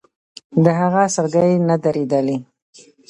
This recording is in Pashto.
د هغه سلګۍ نه درېدلې.